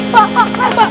pak pak pak